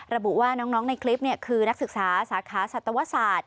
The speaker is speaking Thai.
ระบุว่าน้องในคลิปคือนักศึกษาสาขาสัตวศาสตร์